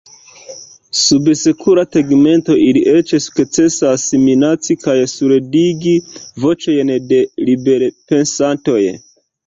Sub sekura tegmento ili eĉ sukcesas minaci kaj surdigi voĉojn de liberpensantoj.